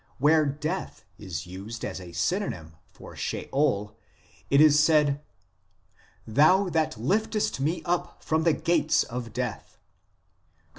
where Death is used as a synonym for Sheol, it is said :" Thou that liftest me up from the gates of death," cp.